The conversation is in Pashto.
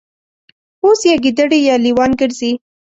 اوس یا ګیدړې یا لېوان ګرځي